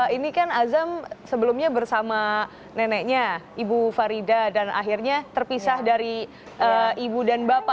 ini kan azam sebelumnya bersama neneknya ibu farida dan akhirnya terpisah dari ibu dan bapak